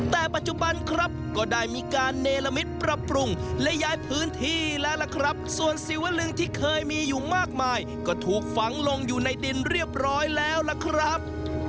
แต่ปัจจุบันครับก็ได้มีการเนรมิตปรับปรุงและย้ายพื้นที่แล้วล่ะครับส่วนศิวลึงที่เคยมีอยู่มากมายก็ถูกฝังลงอยู่ในดินเรียบร้อยแล้วล่ะครับ